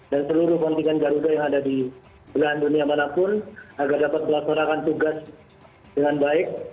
dan seluruh kontingen garuda yang ada di belahan dunia manapun agar dapat melaksanakan tugas dengan baik